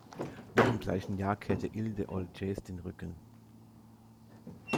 Noch im gleichen Jahr kehrte Isles den O’Jays den Rücken.